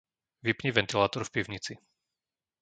Vypni ventilátor v pivnici.